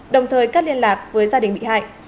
đồng thời cắt liên lạc với gia đình bị hại